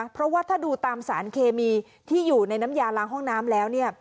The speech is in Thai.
เพราะว่าถ้าดูตามสารเคมีที่อยู่ในน้ำยาล้างห้องน้ำแล้วเนี่ย